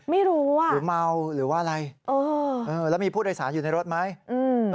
ไม่รู้อ่ะหรือเมาหรือว่าอะไรเออเออแล้วมีผู้โดยสารอยู่ในรถไหมอืม